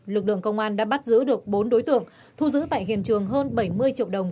lực lượng công an đã bắt giữ được bốn đối tượng thu giữ tại hiện trường hơn bảy mươi triệu đồng